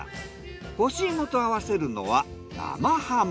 干し芋と合わせるのは生ハム。